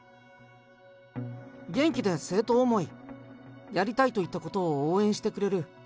元気で生徒思い、やりたいと言ったことを応援してくれる。